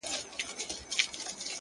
گراني زر واره درتا ځار سمه زه،